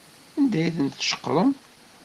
Anda ay ten-tceqrem?